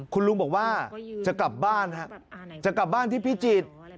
คุณลุงบอกว่าจะกลับบ้านที่พิจิตร